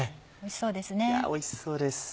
おいしそうですね。